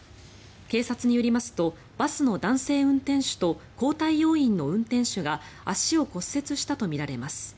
警察によりますとバスの男性運転手と交代要員の運転手が足を骨折したとみられます。